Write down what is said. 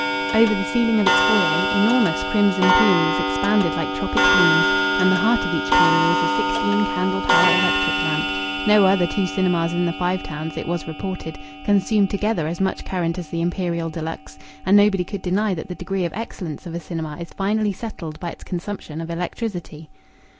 Over the ceiling of its foyer enormous crimson peonies expanded like tropic blooms, and the heart of each peony was a sixteen candle power electric lamp. No other two cinemas in the Five Towns, it was reported, consumed together as much current as the Imperial de Luxe; and nobody could deny that the degree of excellence of a cinema is finally settled by its consumption of electricity.